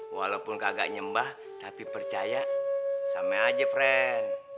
walaupun kagak nyembah tapi percaya sama aja friend